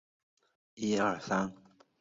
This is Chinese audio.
年七十二。